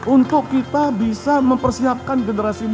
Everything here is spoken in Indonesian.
untuk kita bisa mempersiapkan generasi muda kita dengan lebih baik